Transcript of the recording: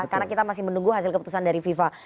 karena kita masih menunggu hasil keputusan dari fifa